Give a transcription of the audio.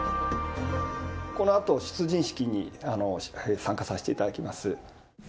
このあと出陣式に参加させていただきます。